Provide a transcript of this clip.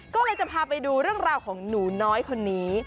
ก็เลยจะพาไปดูเรื่องราวของหนูน้อยคนนี้